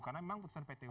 karena memang putusan pt un